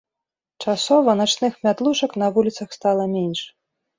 Часова начных мятлушак на вуліцах стала менш.